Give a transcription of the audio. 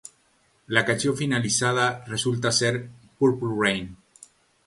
La canción finalizada resulta ser "Purple Rain".